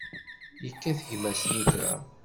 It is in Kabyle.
Yekkat gma snitra.